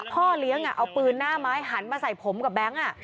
พ่อเลี้ยงเอาปืนหน้าไม้หันมาใส่ผมกับแบงค์